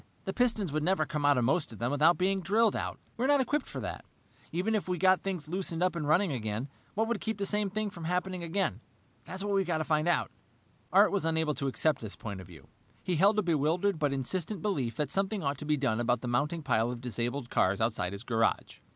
"The pistons would never come out of most of them without being drilled out. We're not equipped for that. Even if we got things loosened up and running again, what would keep the same thing from happening again? That's what we've got to find out." Art was unable to accept this point of view. He held a bewildered but insistent belief that something ought to be done about the mounting pile of disabled cars outside his garage.